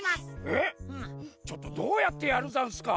えっちょっとどうやってやるざんすか？